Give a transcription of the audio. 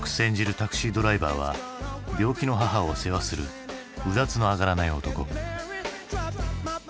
タクシードライバーは病気の母を世話するうだつの上がらない男。